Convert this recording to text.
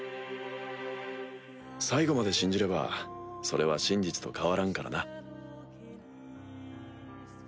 最後まで信じればそれは真実と変わらんからな。